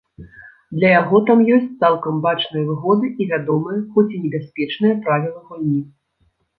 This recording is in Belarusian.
Для яго там ёсць цалкам бачныя выгоды і вядомыя, хоць і небяспечныя, правілы гульні.